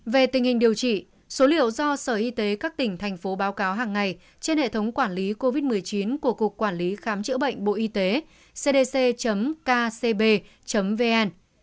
về tình hình điều trị số liệu do sở y tế các tỉnh thành phố báo cáo hàng ngày trên hệ thống quản lý covid một mươi chín của cục quản lý khám chữa bệnh bộ y tế cdc kcb vn